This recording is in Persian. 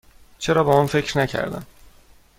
چرا به آن فکر نکردم؟